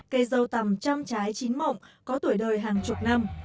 cây dâu tầm trăm trái chín mộng có tuổi đời hàng chục năm